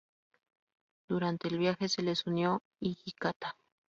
Durante el viaje se les unió Hijikata.